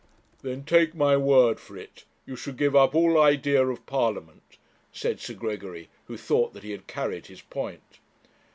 'Then take my word for it, you should give up all idea of Parliament,' said Sir Gregory, who thought that he had carried his point.